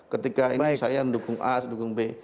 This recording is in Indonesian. ketika saya mendukung a sedukung b